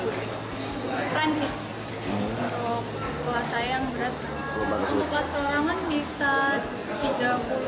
untuk kelas perangat bisa tiga puluh atlet